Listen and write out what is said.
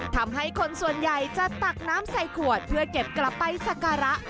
ทำให้คนส่วนใหญ่จะตักน้ำใส่ขวดเพื่อเก็บกลับไปสักการะ